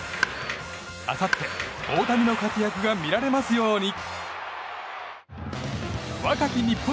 あさって、大谷の活躍が見られますように。